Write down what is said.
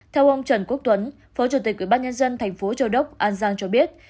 theo ông trần quốc tuấn phó chủ tịch quỹ bác nhân dân tp châu đốc an giang cho biết